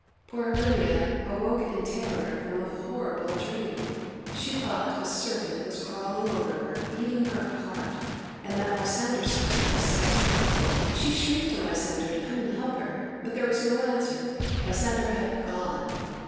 ] Poor Hermia awoke in terror from a horrible dream. She thought a serpent was crawling over her, eating her heart, and that Lysander sat by smiling. She shrieked to Lysander to come and help her. But there was no answer; Lysander had gone.